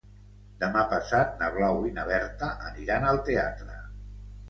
Demà passat na Blau i na Berta aniran al teatre.